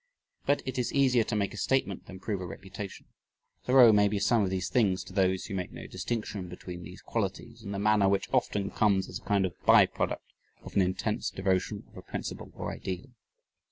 But it is easier to make a statement than prove a reputation. Thoreau may be some of these things to those who make no distinction between these qualities and the manner which often comes as a kind of by product of an intense devotion of a principle or ideal.